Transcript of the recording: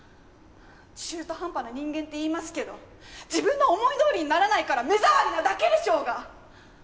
中途半端な人間って言いますけど自分の思い通りにならないから目障りなだけでしょうが！